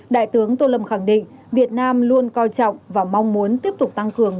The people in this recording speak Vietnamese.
đại tướng tô lâm khẳng định việt nam luôn coi trọng và mong muốn tiếp tục tăng cường